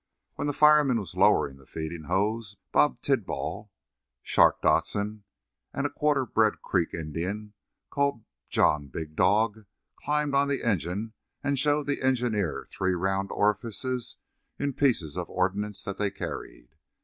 While the fireman was lowering the feeding hose, Bob Tidball, "Shark" Dodson and a quarter bred Creek Indian called John Big Dog climbed on the engine and showed the engineer three round orifices in pieces of ordnance that they carried.